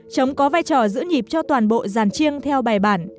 trống có vai trò giữ nhịp cho toàn bộ giàn chiêng theo bài bản